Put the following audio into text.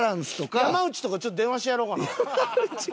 山内とかちょっと電話してやろうかな？